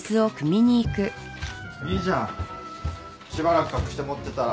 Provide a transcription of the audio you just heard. いいじゃんしばらく隠して持ってたら。